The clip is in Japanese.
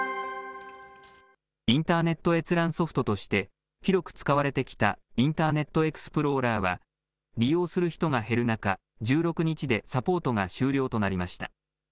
インターネット閲覧ソフトとして、広く使われてきたインターネットエクスプローラーは利用する人が減る中、１６日でサポートが終了となりました。